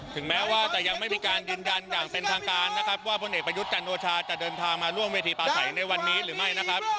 ถึงแม้ว่าจะยังไม่มีการยืนยันอย่างเป็นทางการนะครับว่าพลเอกประยุทธ์จันโอชาจะเดินทางมาร่วมเวทีปลาใสในวันนี้หรือไม่นะครับ